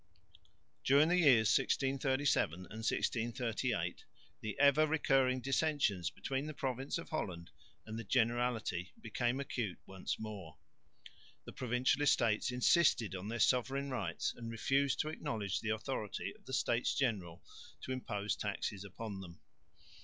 During the years 1637 and 1638 the ever recurring dissensions between the province of Holland and the Generality became acute once more. The Provincial Estates insisted on their sovereign rights and refused to acknowledge the authority of the States General to impose taxes upon them.